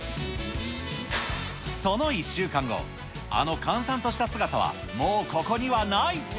その１週間後、あの閑散とした姿は、もうここにはない。